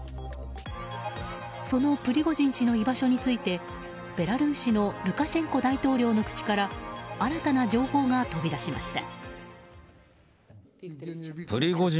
そのプリゴジン氏の居場所についてベラルーシのルカシェンコ大統領の口から新たな情報が飛び出しました。